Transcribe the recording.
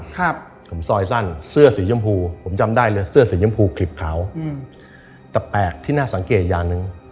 ผมซอยสั้นเสื้อสีย้ำพูผมจำได้เลยเสื้อสีย้ำพูคลิปขาวแต่แปลกที่น่าสังเกตอย่างนึง